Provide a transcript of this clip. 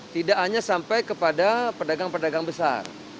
tidak hanya sampai kepada pedagang pedagang besar